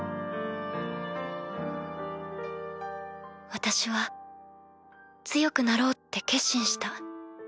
私は強くなろうって決心した。